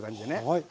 はい。